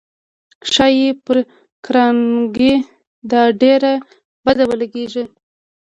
چې ښايي پر کارنګي دا ډېره بده ولګېږي.